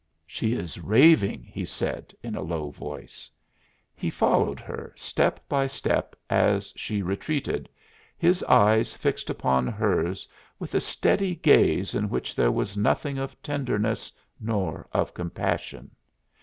"She is raving," he said in a low voice. He followed her, step by step, as she retreated, his eyes fixed upon hers with a steady gaze in which there was nothing of tenderness nor of compassion.